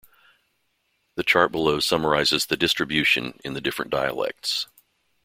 The chart below summarizes the distribution in the different dialects.